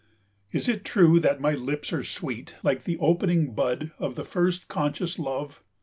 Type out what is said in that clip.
Is it true that my lips are sweet like the opening bud of the first conscious love?